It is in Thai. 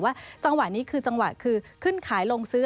จังหวะนี้คือจังหวะคือขึ้นขายลงซื้อ